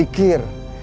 makanan itu berupa solat